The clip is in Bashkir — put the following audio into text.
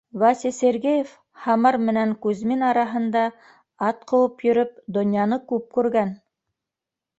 Вася Сергеев Һамар менән Кузьмин араһында ат ҡыуып йөрөп донъяны күп күргән.